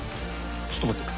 ちょっと待って。